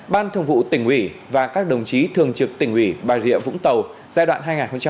ban thường vụ tỉnh ủy và các đồng chí thường trực tỉnh ủy bà rịa vũng tàu giai đoạn hai nghìn một mươi năm hai nghìn hai mươi